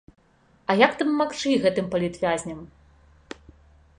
А як дапамагчы гэтым палітвязням?